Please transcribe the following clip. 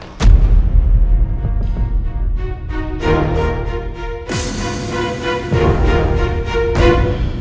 aku mau pergi